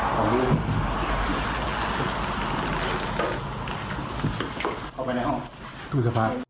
ของลูก